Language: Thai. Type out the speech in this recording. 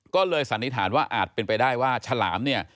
ก็เลยสันนิษฐานว่าอาจเป็นไปได้ว่าฉลามเนี่ย